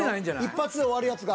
一発で終わるやつが。